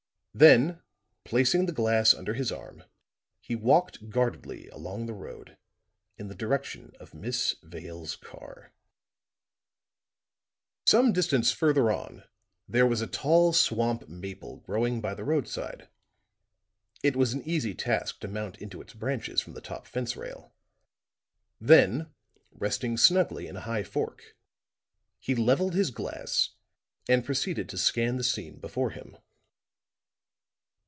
Then placing the glass under his arm he walked guardedly along the road in the direction of Miss Vale's car. Some distance further on there was a tall swamp maple growing by the roadside; it was an easy task to mount into its branches from the top fence rail; then resting snugly in a high fork, he leveled his glass and proceeded to scan the scene before him.